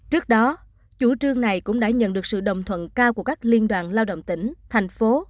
trước đó chủ trương này cũng đã nhận được sự đồng thuận cao của các liên đoàn lao động tỉnh thành phố